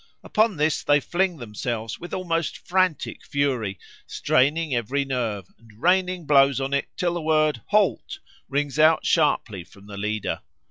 Upon this they fling themselves with almost frantic fury, straining every nerve, and raining blows on it till the word "Halt!" rings out sharply from the leader.